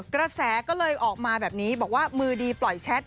กระแสก็เลยออกมาแบบนี้บอกว่ามือดีปล่อยแชท